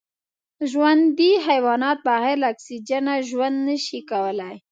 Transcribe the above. ژوندي حیوانات بغیر له اکسېجنه ژوند نشي کولای